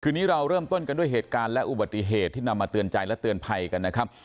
คือนี้เราเริ่มต้นกันด้วยเหตุการณ์และอุบัติเหตุที่นำมาเตือนใจและเตือนภัยกันนะครับ